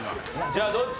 じゃあどっち？